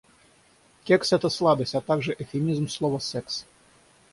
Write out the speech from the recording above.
Кекс — это сладость, а также эвфемизм слова "секс".